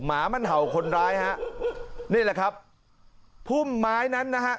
หมามันเห่าคนร้ายฮะนี่แหละครับพุ่มไม้นั้นนะฮะ